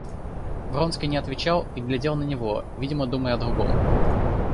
Вронский не отвечал и глядел на него, видимо, думая о другом.